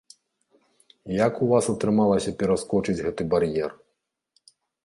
Як у вас атрымалася пераскочыць гэты бар'ер?